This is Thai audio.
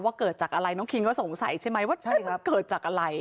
เกิดจากอะไรน้องคิงก็สงสัยใช่ไหมว่าเกิดจากอะไร